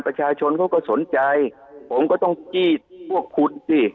ประชาชนเขาก็สนใจผมก็ต้องจี้พวกคุณสิ